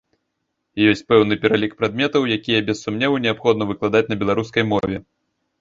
Ёсць пэўны пералік прадметаў, якія, без сумневу, неабходна выкладаць на беларускай мове.